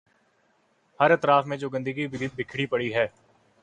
ہر اطراف میں جو گندگی بکھری پڑی ہے۔